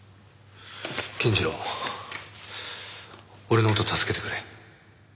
健次郎俺の事を助けてくれ。